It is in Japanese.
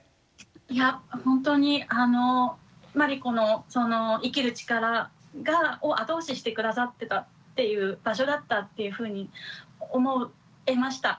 いや本当にあのまりこのその生きる力を後押しして下さってたっていう場所だったっていうふうに思えました。